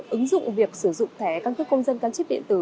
ứng dụng việc sử dụng thẻ căn cước công dân gắn chip điện tử